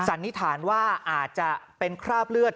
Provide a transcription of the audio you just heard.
สันนิษฐานว่าอาจจะเป็นคราบเลือด